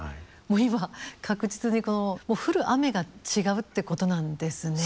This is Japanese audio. もう今確実にこう降る雨が違うってことなんですね。